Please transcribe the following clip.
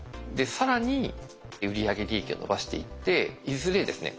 更に売り上げ利益を伸ばしていっていずれですね